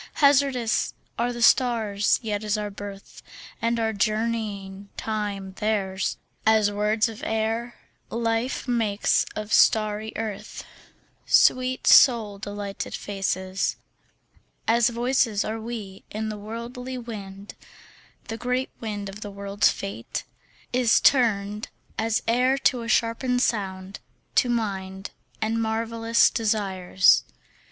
Hazardous are the stars, yet is our birth And our journeying time theirs; As words of air, life makes of starry earth Sweet soul delighted faces; As voices are we in the worldly wind; The great wind of the world's fate Is turned, as air to a shapen sound, to mind And marvellous desires.